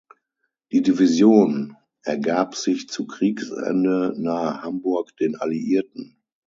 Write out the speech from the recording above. Die Division ergab sich zu Kriegsende Nahe Hamburg den Alliierten.